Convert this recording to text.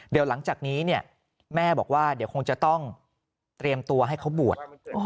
เดี๋ยวหลังจากนี้เนี่ยแม่บอกว่าเดี๋ยวคงจะต้องเตรียมตัวให้เขาบวช